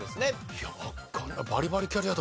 いやわかんない。